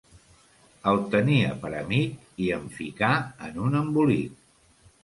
El tenia per amic i em ficà en un embolic.